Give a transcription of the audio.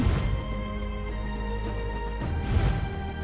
น้อยของไอศคริสต์